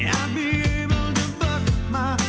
iya kita aldar